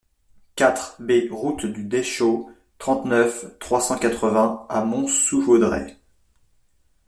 quatre B route du Deschaux, trente-neuf, trois cent quatre-vingts à Mont-sous-Vaudrey